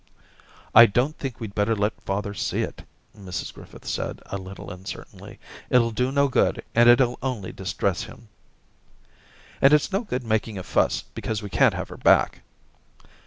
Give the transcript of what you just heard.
* I don't think we'd better let father see it,' Mrs Griffith said, a little uncertainly ;* it'll do no good and it'll only distress him.' ' And it's no good making a fuss, because we can't have her back.'